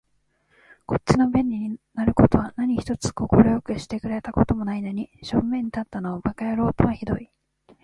こっちの便利になる事は何一つ快くしてくれた事もないのに、小便に立ったのを馬鹿野郎とは酷い